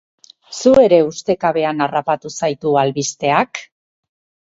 Zu ere ustekabean harrapatu zaitu albisteak?